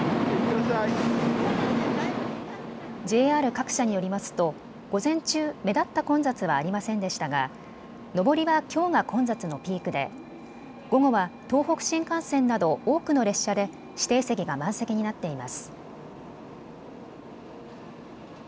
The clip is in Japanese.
ＪＲ各社によりますと午前中、目立った混雑はありませんでしたが上りはきょうが混雑のピークで午後は東北新幹線など多くの列車で指定席が満席になっています。